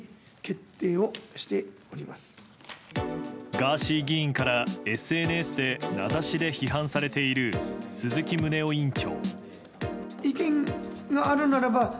ガーシー議員からＳＮＳで名指しで批判されている鈴木宗男委員長。